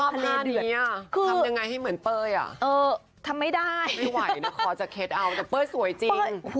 ทำยังไงให้เหมือนเป้ยอ่ะเออทำไม่ได้ไม่ไหวนะคอจะเคล็ดเอาแต่เป้ยสวยจริง